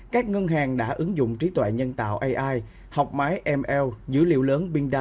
các ngân hàng đã ứng dụng trí tuệ nhân tạo học máy dữ liệu lớn